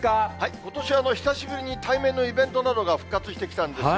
ことしは久しぶりに対面のイベントなどが復活してきたんですよ。